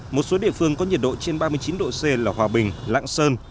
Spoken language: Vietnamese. một số địa phương có nhiệt độ trên ba mươi chín độ c là hòa bình lạng sơn